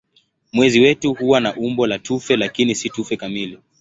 Mwezi wetu huwa na umbo la tufe lakini si tufe kamili.